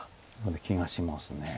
気がします。